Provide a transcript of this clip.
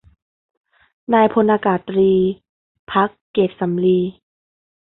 นายพลอากาศตรี ภักดิ์เกษสำลี